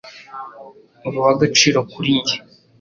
Uri uw’agaciro kuri njye